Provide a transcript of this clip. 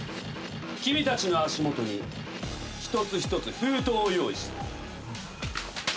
君たちの足元に一つ一つ封筒を用意した。